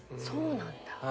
そうなんだ。